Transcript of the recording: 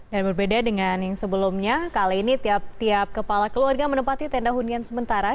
dan berbeda dengan yang sebelumnya kali ini tiap kepala keluarga menempati tenda hunian sementara